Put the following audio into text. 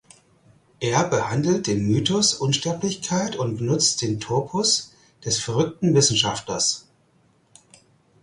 Er behandelt den Mythos Unsterblichkeit und benutzt den Topos des verrückten Wissenschaftlers.